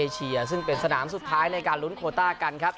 เชียซึ่งเป็นสนามสุดท้ายในการลุ้นโคต้ากันครับ